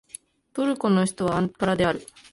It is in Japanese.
トルコの首都はアンカラである